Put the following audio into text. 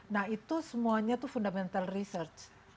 nah itu semuanya itu fundamental research